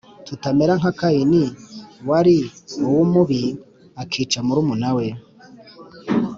tutamera nka Kayini wari uw’Umubi, akica murumuna we.